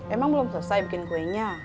emang belum selesai bikin kuenya